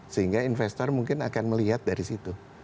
sehingga investor mungkin akan melihat dari situ